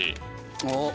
おっ。